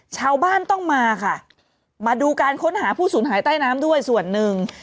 ชาวบ้านต้องมาค่ะมาดูการค้นหาผู้สูญหายใต้น้ำด้วยส่วนหนึ่ง